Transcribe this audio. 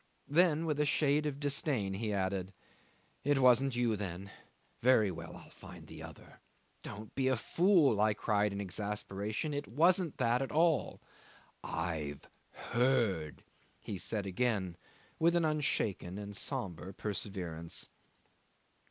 Then with a shade of disdain he added, "It wasn't you, then? Very well; I'll find the other." "Don't be a fool," I cried in exasperation; "it wasn't that at all." "I've heard," he said again with an unshaken and sombre perseverance.